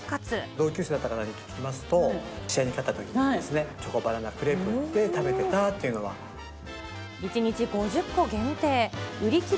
同級生だった方に聞きますと、試合に勝ったときに、チョコバナナクレープを食べてたっていうのあれ？